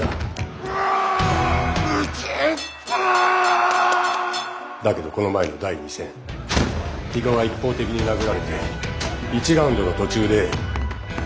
宇宙パワー！だけどこの前の第２戦比嘉は一方的に殴られて１ラウンドの途中で。